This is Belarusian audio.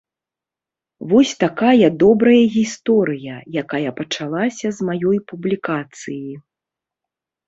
Вось такая добрая гісторыя, якая пачалася з маёй публікацыі.